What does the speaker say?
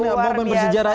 oh luar biasa